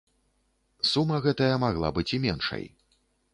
Сума гэтая магла быць і меншай.